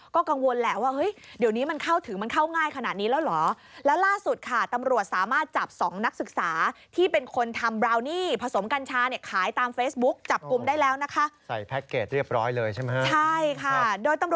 ก็กังวลแหละว่าเฮ้ยเดี๋ยวนี้มันเข้าถึงมันเข้าง่ายขนาดนี้แล้วเหรอ